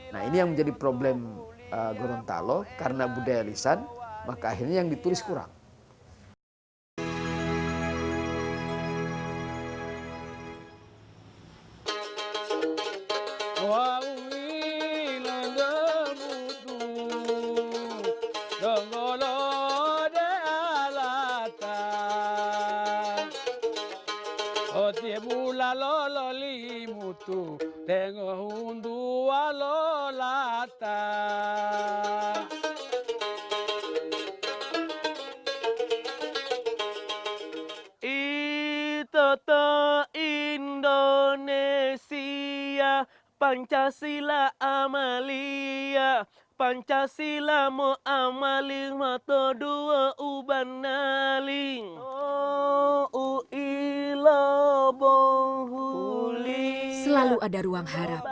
jadi ini yang menjadi problem gorontalo karena budaya lisan maka akhirnya yang ditulis kurang